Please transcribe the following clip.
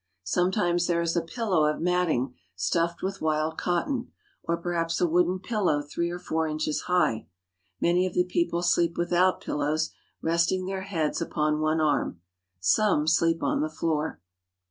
Sometimes there is a pillow of matting, stuffed with wild cotton, or perhaps a wooden pillow three or four inches high. Many of the people sleep without pillows, resting their heads upon one arm. Some sleep on the floor.